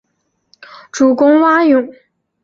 主攻蛙泳。